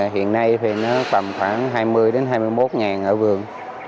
hiện nay thì nó tăng khoảng hai mươi hai mươi một đồng ở vườn